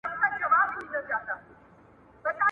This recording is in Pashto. ځيني مسئلې مي را اخيستي او ژباړلي دي.